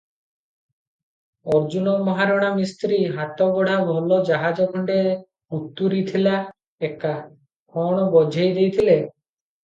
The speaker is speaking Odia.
ଅର୍ଜୁନ ମହାରଣା ମିସ୍ତ୍ରୀ ହାତଗଢ଼ା ଭଲ ଜାହାଜ ଖଣ୍ଡେ ଉତୁରିଥିଲା ଏକା- କଣ ବୋଝେଇ ଦେଇଥିଲେ?